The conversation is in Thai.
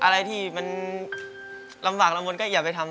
เดี๋ยวเนื้อเกือบตกมา